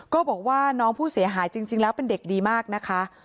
ก็บอกว่าน้องผู้เสียหายจริงแล้วเป็นเด็กดีมากนะคะ